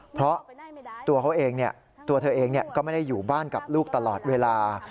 เพราะตัวเขาเองตัวเธอเองก็ไม่ได้อยู่บ้านกับลูกตลอดเวลา